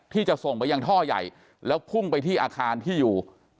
ที่จะส่งไปยังท่อใหญ่แล้วพุ่งไปที่อาคารที่อยู่